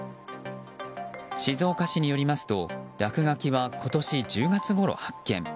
静岡市によりますと落書きは今年１０月ごろ発見。